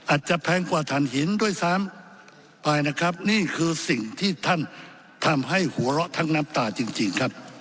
แพงกว่าฐานหินด้วยซ้ำไปนะครับนี่คือสิ่งที่ท่านทำให้หัวเราะทั้งน้ำตาจริงครับ